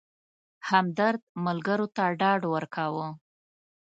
همدرد ملګرو ته ډاډ ورکاوه.